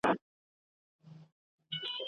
دا سـتـا پــه ګـــل وجــود كـي ګـلــه ټــپـــه